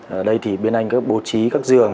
ở đây thì bên anh có bố trí các giường